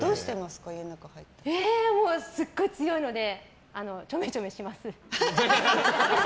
もう、すっごい強いのでちょめちょめします。